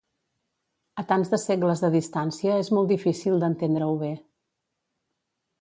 A tants de segles de distància és molt difícil d'entendre-ho bé.